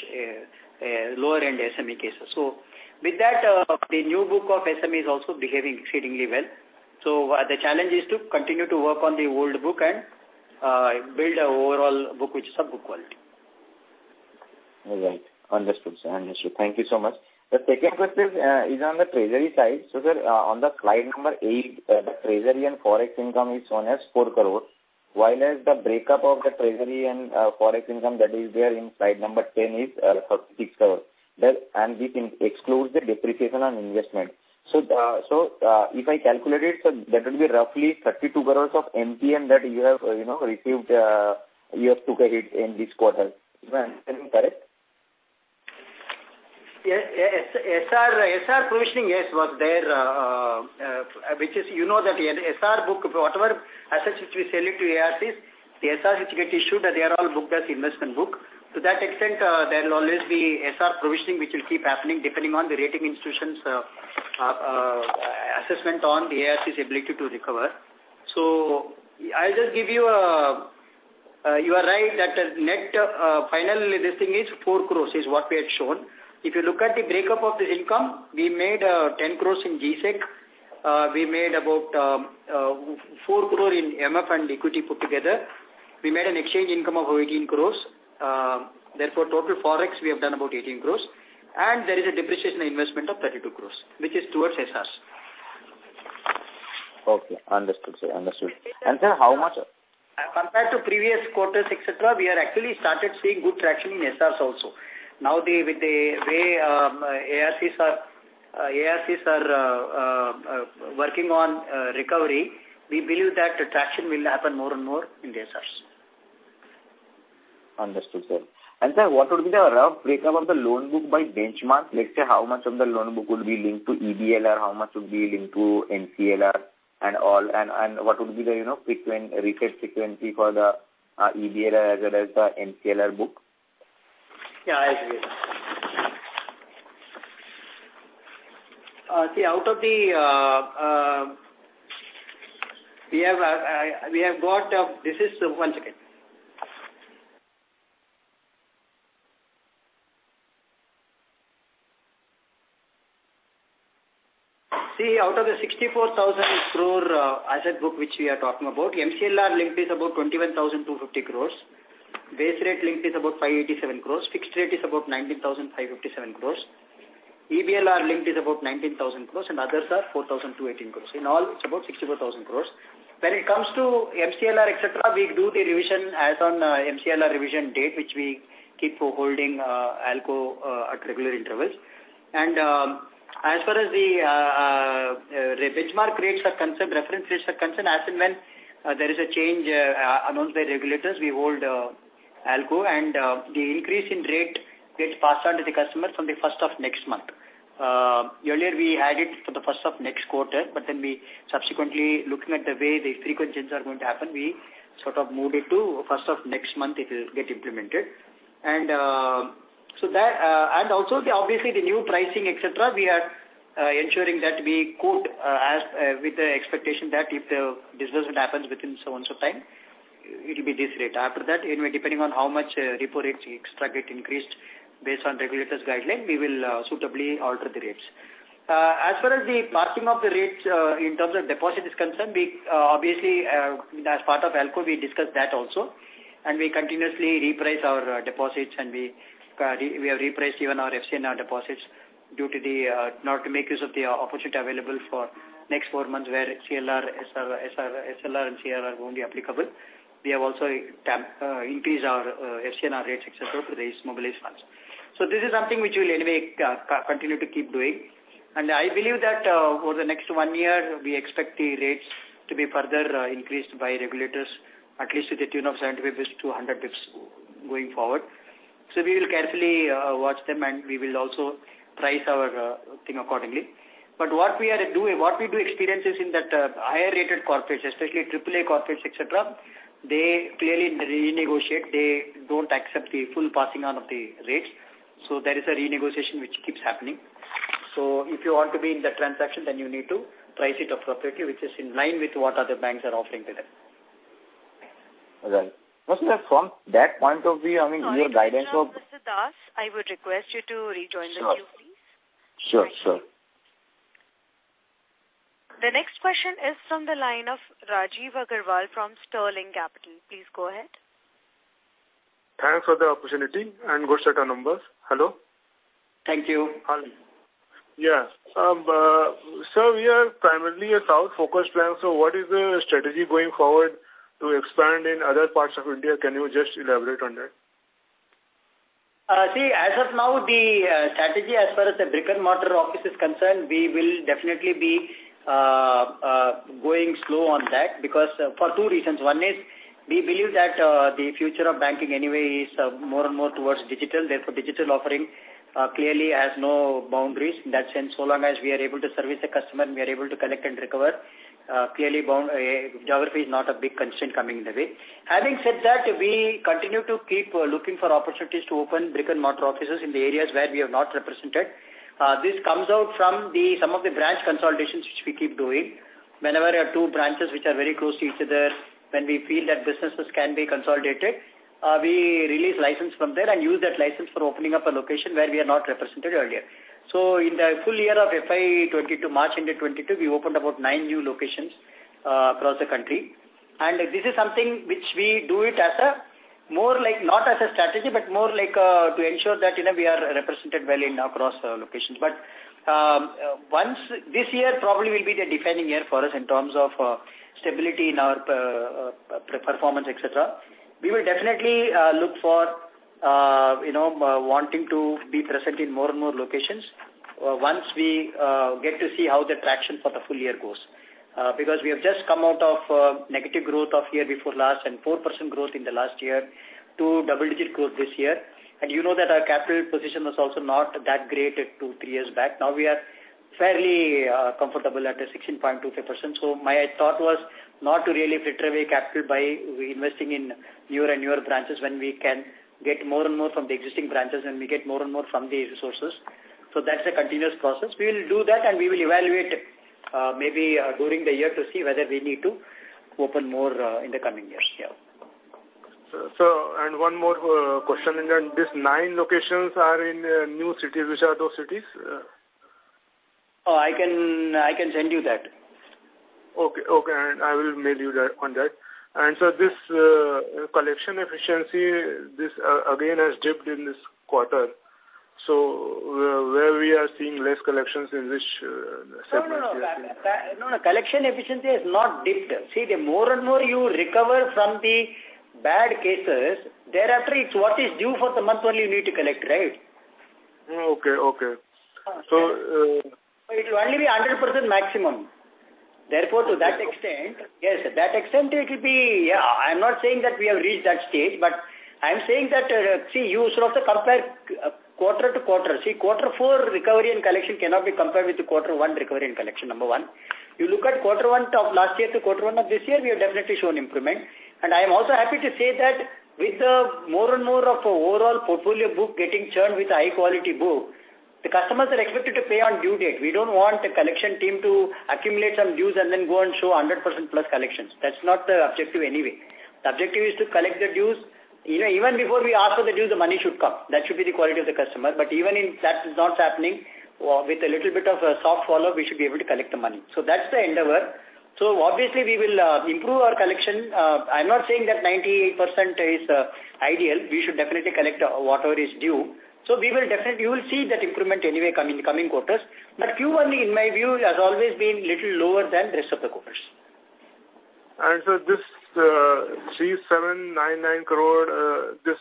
lower-end SME cases. So with that, the new book of SME is also behaving exceedingly well. The challenge is to continue to work on the old book and build an overall book, which is of good quality. All right. Understood, sir. Understood. Thank you so much. The second question is on the treasury side. So, sir, on the slide number eight, the treasury and forex income is shown as 4 crore, while as the breakup of the treasury and forex income that is there in slide number 10 is 36 crore. That, and this includes the depreciation on investment. So, so, if I calculate it, so that will be roughly 32 crore of MPN that you have, you know, received, you have took a hit in this quarter. Am I correct? Yes, yes, SR, SR provisioning, yes, was there, which is, you know, that the SR book, whatever assets which we sell it to ARCs, the SRs which get issued, they are all booked as investment book. To that extent, there will always be SR provisioning, which will keep happening depending on the rating institution's assessment on the ARC's ability to recover. So I'll just give you, you are right, that the net final investing is 4 crore, is what we had shown. If you look at the breakup of the income, we made ten crores in GSEC, we made about four crore in MF and equity put together. We made an exchange income of 18 crore, therefore, total forex, we have done about 18 crore, and there is a depreciation investment of 32 crore, which is towards SRs. Okay, understood, sir. Understood. And, sir, how much- Compared to previous quarters, et cetera, we are actually started seeing good traction in SRs also. Now, with the way ARCs are working on recovery, we believe that traction will happen more and more in the SRs. Understood, sir. And, sir, what would be the rough breakup of the loan book by benchmark? Let's say, how much of the loan book will be linked to EBLR, how much would be linked to MCLR, and all, and, and what would be the, you know, frequent, reset frequency for the, EBLR as well as the MCLR book? Yeah, I agree. See, out of the 64,000 crore asset book, which we are talking about, MCLR linked is about 21,250 crore. Base rate linked is about 587 crore. Fixed rate is about 19,557 crore. EBLR linked is about 19,000 crore, and others are 4,218 crore. In all, it's about 64,000 crore. When it comes to MCLR, et cetera, we do the revision as on MCLR revision date, which we keep for holding ALCO at regular intervals. As far as the benchmark rates are concerned, reference rates are concerned, as and when there is a change announced by regulators, we hold ALCO, and the increase in rate gets passed on to the customer from the first of next month. Earlier, we had it for the first of next quarter, but then we subsequently, looking at the way the frequency are going to happen, we sort of moved it to first of next month, it will get implemented. So that, and also the, obviously, the new pricing, et cetera, we are ensuring that we quote, as, with the expectation that if the disbursement happens within so and so time, it will be this rate. After that, anyway, depending on how much repo rates, interest rate increased based on regulators' guideline, we will suitably alter the rates. As far as the passing of the rates in terms of deposit is concerned, we obviously as part of ALCO we discuss that also, and we continuously reprice our deposits, and we have repriced even our FCNR deposits due to the in order to make use of the opportunity available for next four months, where CRR, SLR, SLR, and CRR won't be applicable. We have also increased our FCNR rates, et cetera, to raise mobilized funds. So this is something which we'll anyway continue to keep doing. I believe that, over the next one year, we expect the rates to be further increased by regulators, at least to the tune of 70 basis points-100 basis points going forward. So we will carefully watch them, and we will also price our thing accordingly. But what we are doing, what we do experience is in that higher-rated corporates, especially AAA corporates, et cetera, they clearly renegotiate. They don't accept the full passing on of the rates, so there is a renegotiation which keeps happening. So if you want to be in that transaction, then you need to price it appropriately, which is in line with what other banks are offering to them.... Right. But, sir, from that point of view, I mean, your guidance of- Sorry to interrupt, Mr. Das, I would request you to rejoin the queue, please. Sure, sure. The next question is from the line of Rajeev Agarwal from Sterling Capital. Please go ahead. Thanks for the opportunity, and good set of numbers. Hello? Thank you. Hi. Yeah. Sir, we are primarily a south-focused bank, so what is the strategy going forward to expand in other parts of India? Can you just elaborate on that? See, as of now, the strategy as far as the brick-and-mortar office is concerned, we will definitely be going slow on that because for two reasons. One is, we believe that the future of banking anyway is more and more towards digital. Therefore, digital offering clearly has no boundaries. In that sense, so long as we are able to service the customer and we are able to collect and recover, clearly bounded geography is not a big constraint coming in the way. Having said that, we continue to keep looking for opportunities to open brick-and-mortar offices in the areas where we are not represented. This comes out from some of the branch consolidations, which we keep doing. Whenever there are two branches which are very close to each other, when we feel that businesses can be consolidated, we release license from there and use that license for opening up a location where we are not represented earlier. So in the full year of FY 2022, March, end of 2022, we opened about nine new locations across the country. And this is something which we do it as a more like, not as a strategy, but more like, to ensure that, you know, we are represented well in across locations. But, once... This year probably will be the defining year for us in terms of, stability in our, performance, et cetera. We will definitely, look for, you know, wanting to be present in more and more locations, once we, get to see how the traction for the full year goes. Because we have just come out of, negative growth of year before last and 4% growth in the last year to double-digit growth this year. And you know that our capital position was also not that great two, three years back. Now, we are fairly, comfortable at a 16.25%. So my thought was not to really fritter away capital by investing in newer and newer branches when we can get more and more from the existing branches, and we get more and more from the resources. So that's a continuous process. We will do that, and we will evaluate, maybe, during the year to see whether we need to open more, in the coming years. Yeah. So, and one more question, and then these nine locations are in new cities. Which are those cities? Oh, I can, I can send you that. Okay, okay, and I will mail you that on that. And so this collection efficiency, this again, has dipped in this quarter. So where we are seeing less collections in which segment? No, no, no. No, no, collection efficiency has not dipped. See, the more and more you recover from the bad cases, thereafter, it's what is due for the month only you need to collect, right? Okay, okay. So, It will only be 100% maximum. Therefore, to that extent, yes, that extent it will be. Yeah, I'm not saying that we have reached that stage, but I'm saying that, see, you should also compare quarter to quarter. See, quarter four recovery and collection cannot be compared with the quarter one recovery and collection, number one. You look at quarter one of last year to quarter one of this year, we have definitely shown improvement. And I am also happy to say that with the more and more of overall portfolio book getting churned with a high-quality book, the customers are expected to pay on due date. We don't want the collection team to accumulate some dues and then go and show 100%+ collections. That's not the objective anyway. The objective is to collect the dues. You know, even before we ask for the dues, the money should come. That should be the quality of the customer. But even if that is not happening, with a little bit of a soft follow, we should be able to collect the money. So that's the endeavor. So obviously, we will improve our collection. I'm not saying that 90% is ideal. We should definitely collect whatever is due. So we will definitely... You will see that improvement anyway, coming quarters. But Q1, in my view, has always been little lower than the rest of the quarters. So this 3,799 crore, this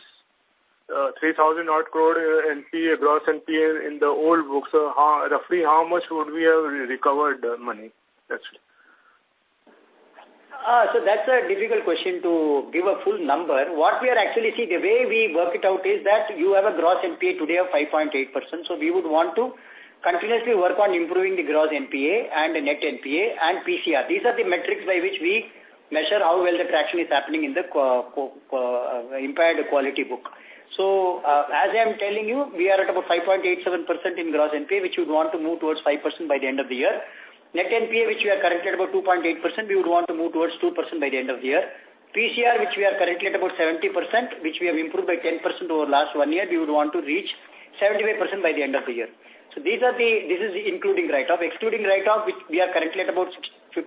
3,000-odd crore NPA, gross NPA in the old books, how, roughly how much would we have recovered money, actually? So that's a difficult question to give a full number. What we are actually, see, the way we work it out is that you have a gross NPA today of 5.8%. So we would want to continuously work on improving the gross NPA and the net NPA and PCR. These are the metrics by which we measure how well the traction is happening in the quarter-over-quarter impaired quality book. So, as I'm telling you, we are at about 5.87% in gross NPA, which we want to move towards 5% by the end of the year. Net NPA, which we are currently at about 2.8%, we would want to move towards 2% by the end of the year. PCR, which we are currently at about 70%, which we have improved by 10% over the last one year, we would want to reach 75% by the end of the year. So this is including write-off. Excluding write-off, which we are currently at about 52%,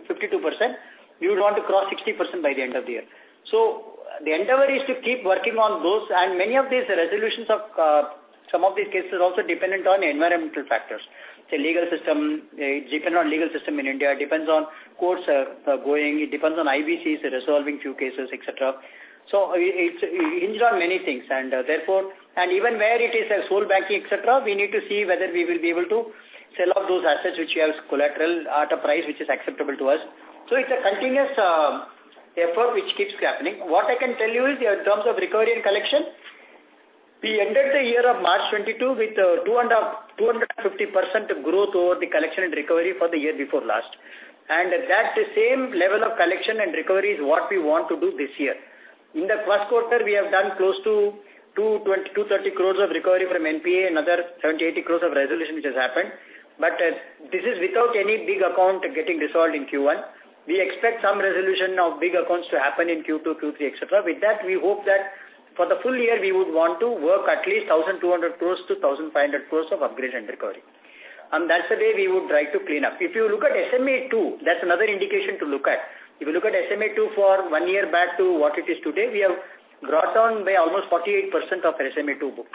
we would want to cross 60% by the end of the year. So the endeavor is to keep working on those, and many of these resolutions of some of these cases are also dependent on environmental factors. The legal system, dependent on legal system in India, depends on courts going, it depends on IBCs resolving few cases, et cetera. So it hinged on many things, and therefore... Even where it is wholesale banking, etc., we need to see whether we will be able to sell off those assets, which he has collateral at a price which is acceptable to us. So it's a continuous effort, which keeps happening. What I can tell you is, in terms of recovery and collection, we ended the year of March 2022 with 200-250% growth over the collection and recovery for the year before last. And that same level of collection and recovery is what we want to do this year. In the first quarter, we have done close to 220-230 crore of recovery from NPA and other 70-80 crore of resolution which has happened, but this is without any big account getting resolved in Q1. We expect some resolution of big accounts to happen in Q2, Q3, etc. With that, we hope that—for the full year, we would want to work at least 1,200 crore-1,500 crore of upgrade and recovery. That's the way we would try to clean up. If you look at SMA-2, that's another indication to look at. If you look at SMA-2 for one year back to what it is today, we have brought down by almost 48% of our SMA-2 book.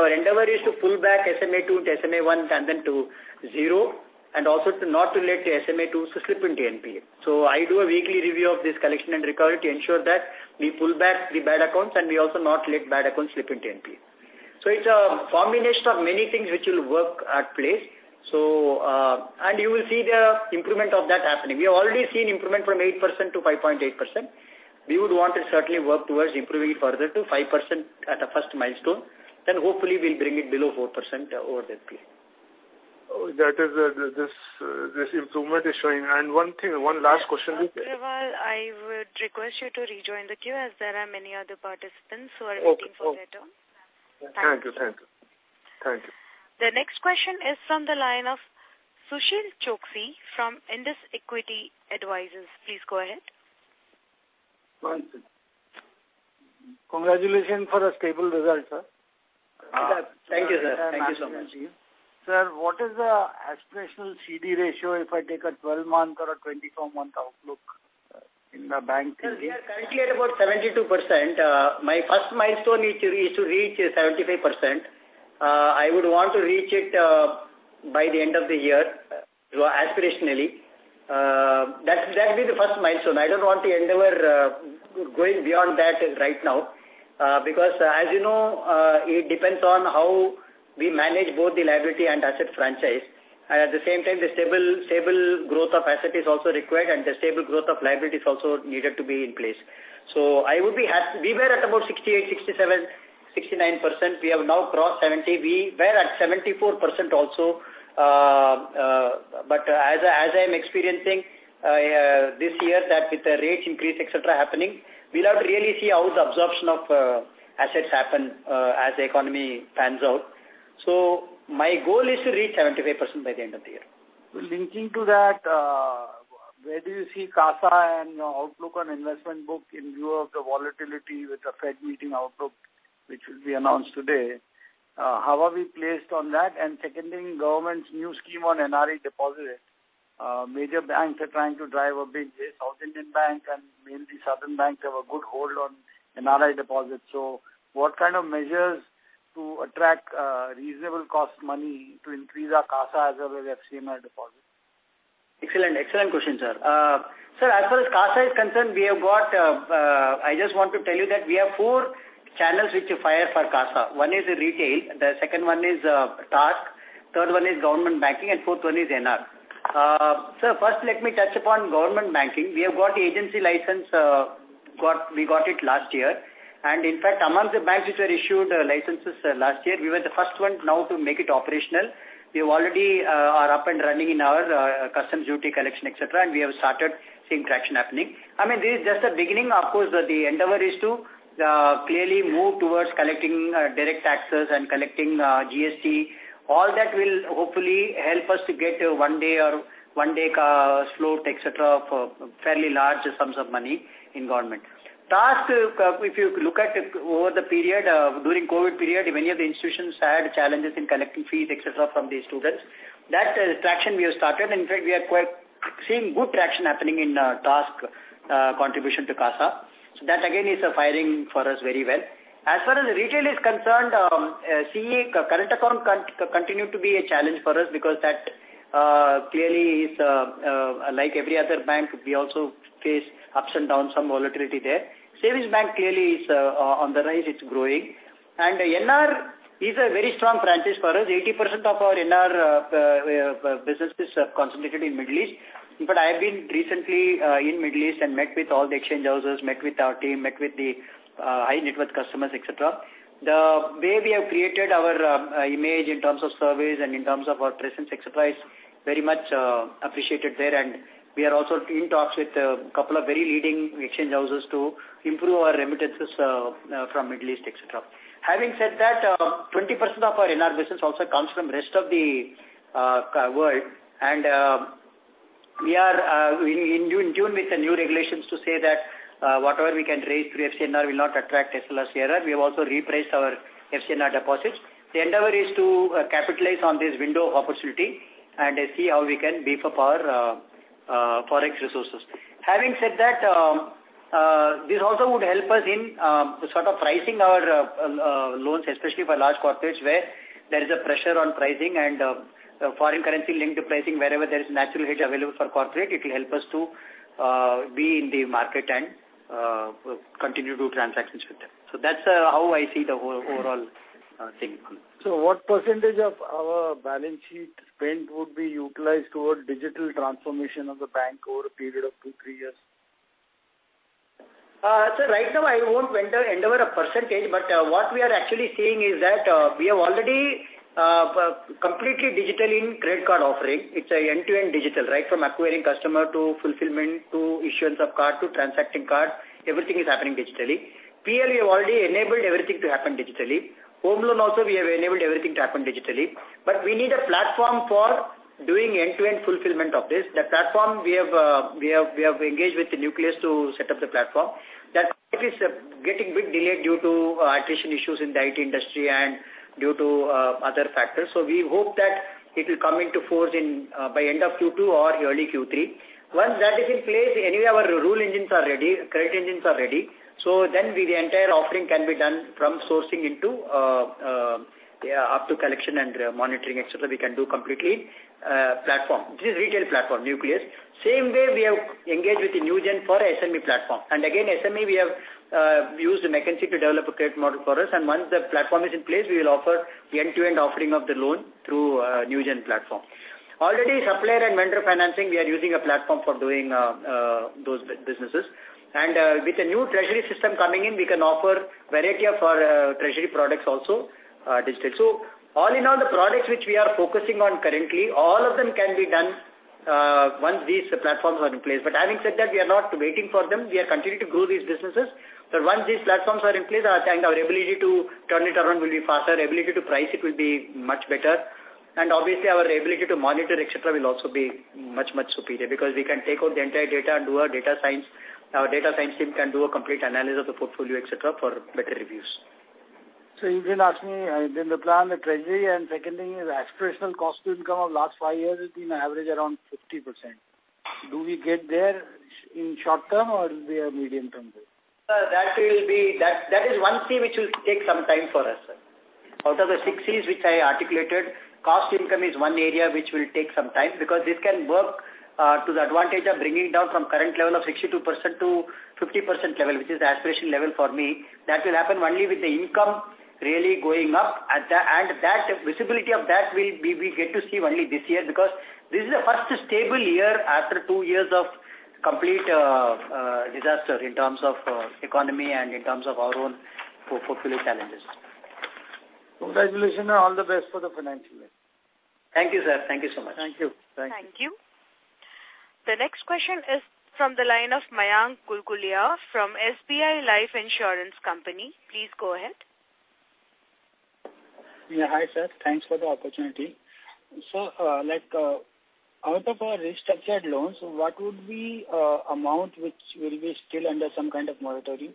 Our endeavor is to pull back SMA-2-SMA-1, and then to zero, and also to not relate the SMA-2s to slip into NPA. I do a weekly review of this collection and recovery to ensure that we pull back the bad accounts, and we also not let bad accounts slip into NPA. So it's a combination of many things which will work at place. So, and you will see the improvement of that happening. We have already seen improvement from 8%-5.8%. We would want to certainly work towards improving it further to 5% at a first milestone, then hopefully we'll bring it below 4% over that period. Oh, that is, this improvement is showing. And one thing, one last question- Mr. Agarwal, I would request you to rejoin the queue, as there are many other participants who are waiting for their turn. Okay. Okay. Thank you. Thank you. Thank you. Thank you. The next question is from the line of Sushil Choksey from Indus Equity Advisors. Please go ahead. Congratulations for the stable results, sir. Thank you, sir. Thank you so much. Sir, what is the aspirational CD ratio if I take a 12-month or a 24-month outlook in the bank? Sir, we are currently at about 72%. My first milestone is to reach 75%. I would want to reach it by the end of the year, aspirationally. That'll be the first milestone. I don't want the endeavor going beyond that right now because, as you know, it depends on how we manage both the liability and asset franchise. At the same time, the stable growth of asset is also required, and the stable growth of liability is also needed to be in place. So I would be happy. We were at about 68, 67, 69%. We have now crossed 70%. We were at 74% also, but as I am experiencing this year, that with the rates increase, et cetera, happening, we'll have to really see how the absorption of assets happen as the economy pans out. So my goal is to reach 75% by the end of the year. Linking to that, where do you see CASA and outlook on investment book in view of the volatility with the Fed meeting outlook, which will be announced today? How are we placed on that? Second thing, government's new scheme on NRE deposit. Major banks are trying to drive a big South Indian Bank, and mainly southern banks have a good hold on NRE deposits. So what kind of measures to attract, reasonable cost money to increase our CASA as well as FCNR deposit? Excellent. Excellent question, sir. Sir, as far as CASA is concerned, we have got, I just want to tell you that we have four channels which we fire for CASA. One is retail, the second one is tax, third one is government banking, and fourth one is NR. Sir, first let me touch upon government banking. We have got the agency license, we got it last year. And in fact, among the banks which were issued licenses last year, we were the first one now to make it operational. We are already up and running in our customs duty collection, et cetera, and we have started seeing traction happening. I mean, this is just the beginning. Of course, the endeavor is to clearly move towards collecting direct taxes and collecting GST. All that will hopefully help us to get a one day or one day, float, et cetera, for fairly large sums of money in government. TASC, if you look at over the period, during COVID period, many of the institutions had challenges in collecting fees, et cetera, from the students. That traction we have started. In fact, we are quite seeing good traction happening in, task, contribution to CASA. So that again, is firing for us very well. As far as retail is concerned, CA, current account continue to be a challenge for us because that, clearly is, like every other bank, we also face ups and downs, some volatility there. Savings bank clearly is, on the rise, it's growing. And NR is a very strong franchise for us. 80% of our NRI business is concentrated in Middle East. But I have been recently in Middle East and met with all the exchange houses, met with our team, met with the high net worth customers, et cetera. The way we have created our image in terms of service and in terms of our presence, et cetera, is very much appreciated there. And we are also in talks with a couple of very leading exchange houses to improve our remittances from Middle East, et cetera. Having said that, 20% of our NRI business also comes from rest of the world, and we are in tune with the new regulations to say that whatever we can raise through FCNR will not attract SLR, CRR. We have also repriced our FCNR deposits. The endeavor is to capitalize on this window of opportunity and see how we can beef up our Forex resources. Having said that, this also would help us in sort of pricing our loans, especially for large corporates, where there is a pressure on pricing and foreign currency linked to pricing. Wherever there is natural hedge available for corporate, it will help us to be in the market and continue to do transactions with them. So that's how I see the overall thing. What percentage of our balance sheet spend would be utilized towards digital transformation of the bank over a period of two to three years?... So right now, I won't venture a percentage, but what we are actually seeing is that we have already completely digital in credit card offering. It's an end-to-end digital, right? From acquiring customer to fulfillment, to issuance of card, to transacting card, everything is happening digitally. PL, we have already enabled everything to happen digitally. Home loan also, we have enabled everything to happen digitally. But we need a platform for doing end-to-end fulfillment of this. The platform we have engaged with the Nucleus to set up the platform. That is getting a bit delayed due to attrition issues in the IT industry and due to other factors. So we hope that it will come into force in by end of Q2 or early Q3. Once that is in place, anyway, our rule engines are ready, credit engines are ready. So then the entire offering can be done from sourcing into, yeah, up to collection and monitoring, et cetera. We can do completely platform. This is retail platform, Nucleus. Same way, we have engaged with the Newgen for SME platform. And again, SME, we have used McKinsey to develop a credit model for us, and once the platform is in place, we will offer the end-to-end offering of the loan through Newgen platform. Already, supplier and vendor financing, we are using a platform for doing those businesses. And with the new treasury system coming in, we can offer variety of our treasury products also digital. So all in all, the products which we are focusing on currently, all of them can be done once these platforms are in place. But having said that, we are not waiting for them, we are continuing to grow these businesses. But once these platforms are in place, our, and our ability to turn it around will be faster, ability to price it will be much better. And obviously, our ability to monitor, et cetera, will also be much, much superior, because we can take out the entire data and do a data science. Our data science team can do a complete analysis of the portfolio, et cetera, for better reviews. So you can ask me, then the plan, the treasury, and second thing is aspirational cost to income of last five years has been average around 50%. Do we get there in short term or they are medium term? That will be. That is one C which will take some time for us. Out of the six Cs which I articulated, cost income is one area which will take some time, because this can work to the advantage of bringing it down from current level of 62%-50% level, which is the aspiration level for me. That will happen only with the income really going up, and that visibility of that will we get to see only this year, because this is the first stable year after two years of complete disaster in terms of economy and in terms of our own portfolio challenges. Congratulations, and all the best for the financial year. Thank you, sir. Thank you so much. Thank you. Thank you. Thank you. The next question is from the line of Mayank Kulkarni from SBI Life Insurance Company. Please go ahead. Yeah, hi, sir. Thanks for the opportunity. So, like, out of our restructured loans, what would be, amount which will be still under some kind of moratorium?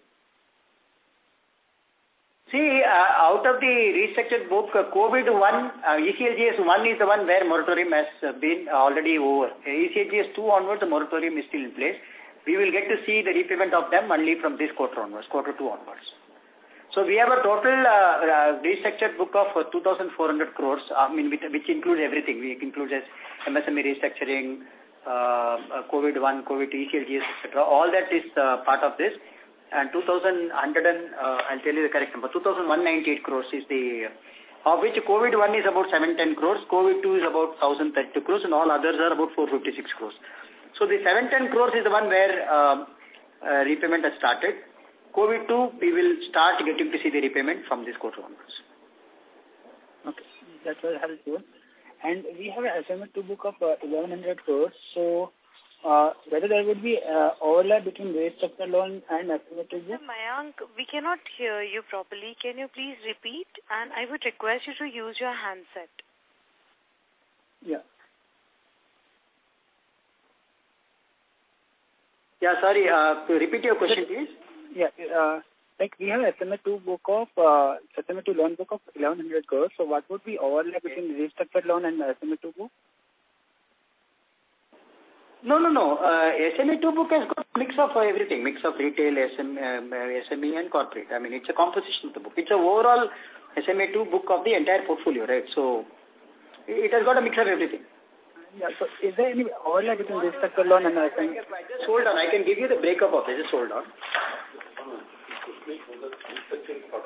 See, out of the restructured book, COVID one, ECLGS one is the one where moratorium has been already over. ECLGS two onwards, the moratorium is still in place. We will get to see the repayment of them only from this quarter onwards, quarter two onwards. So we have a total restructured book of 2,400 crore, I mean, which includes everything. We include as MSME restructuring, COVID-one, COVID ECLGS, et cetera. All that is part of this. And 2,198 crore is the... Of which COVID one is about 710 crore, COVID two is about 1,032 crore, and all others are about 456 crore. So the 710 crore is the one where repayment has started. COVID two, we will start getting to see the repayment from this quarter onwards. Okay, that's very helpful. And we have an SMA two book of 1,100 crore. So, whether there would be overlap between restructured loan and SMA two book? Mayank, we cannot hear you properly. Can you please repeat? I would request you to use your handset. Yeah. Yeah, sorry, repeat your question, please. Yeah, like, we have SMA two book of, SMA two loan book of 1,100 crore. So what would be overlap between restructured loan and SMA two book? No, no, no. SMA-2 book has got mix of everything, mix of retail, SME, SME, and corporate. I mean, it's a composition of the book. It's an overall SMA-2 book of the entire portfolio, right? So it has got a mix of everything. Yeah, so is there any overlap between restructured loan and SMA? Just hold on. I can give you the breakup of it. Just hold on. Sir,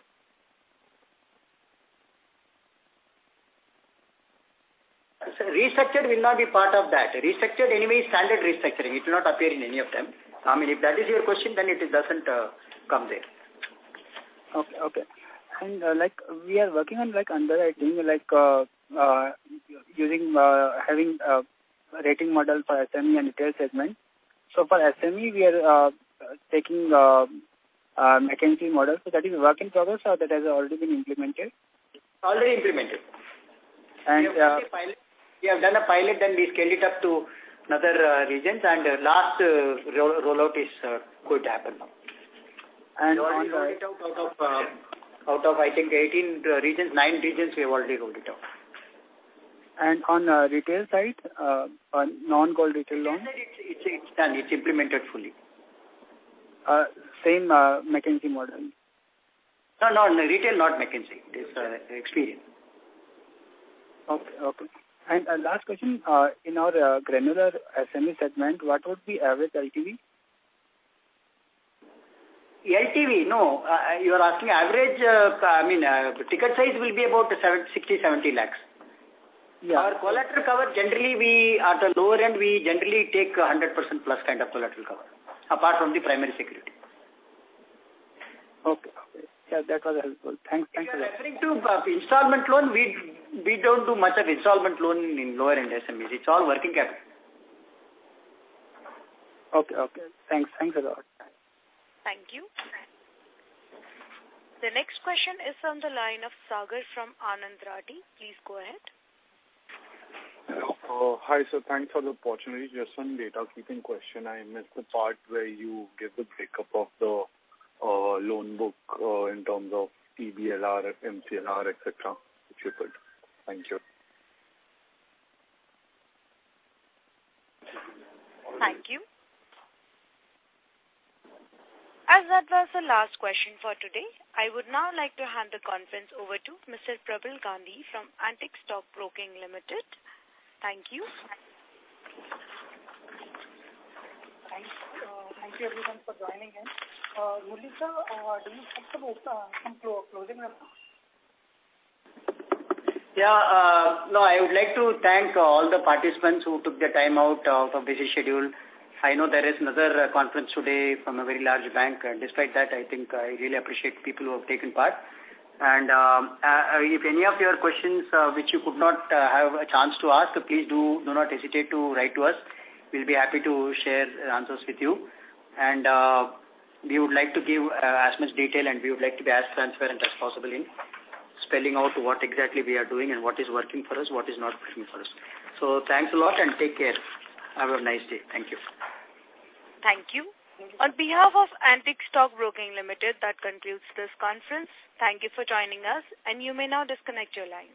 restructured will not be part of that. Restructured anyway is standard restructuring. It will not appear in any of them. I mean, if that is your question, then it doesn't come there. Okay, okay. And, like, we are working on, like, underwriting, like, using, having a rating model for SME and retail segment. So for SME, we are taking McKinsey model. So that is a work in progress or that has already been implemented? Already implemented. And, uh- We have done a pilot, then we scaled it up to another regions, and last roll-out is going to happen now. And on, Out of 18 regions, nine regions, we have already rolled it out. On retail side, on non-gold retail loan? It's done. It's implemented fully. Same, McKinsey model? No, no, no. Retail, not McKinsey. It's Experian. Okay, okay. Last question, in our granular SME segment, what would be average LTV? LTV? No, you are asking average, I mean, ticket size will be about 760-770 lakhs. Our collateral cover, generally, we, at the lower end, we generally take 100%+ kind of collateral cover, apart from the primary security. Okay. Okay. Yeah, that was helpful. Thanks. Thank you. If you're referring to installment loan, we don't do much of installment loan in lower-end SMEs. It's all working capital. Okay. Okay. Thanks. Thanks a lot. Thank you. The next question is on the line of Sagar from Anand Rathi. Please go ahead. Hello. Hi, sir. Thanks for the opportunity. Just one housekeeping question. I missed the part where you gave the breakup of the loan book in terms of EBLR, MCLR, et cetera, if you could. Thank you. Thank you. As that was the last question for today, I would now like to hand the conference over to Mr. Prabal Gandhi from Antique Stock Broking Limited. Thank you. Thanks. Thank you everyone for joining in. Murali, do you have some closing remarks? Yeah. No, I would like to thank all the participants who took their time out of busy schedule. I know there is another conference today from a very large bank, and despite that, I think I really appreciate people who have taken part. If any of your questions, which you could not have a chance to ask, please do not hesitate to write to us. We'll be happy to share answers with you. We would like to give as much detail, and we would like to be as transparent as possible in spelling out what exactly we are doing and what is working for us, what is not working for us. So thanks a lot and take care. Have a nice day. Thank you. Thank you. On behalf of Antique Stock Broking Limited, that concludes this conference. Thank you for joining us, and you may now disconnect your line.